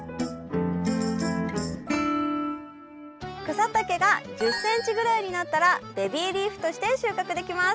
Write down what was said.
草丈が１０ｃｍぐらいになったらベビーリーフとして収穫できます。